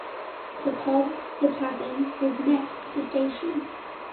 The pub, "The Tavern", is next to the station.